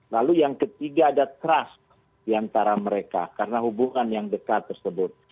lalu yang ketiga ada trust diantara mereka karena hubungan yang dekat tersebut